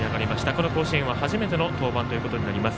この甲子園は初めての登板ということになります。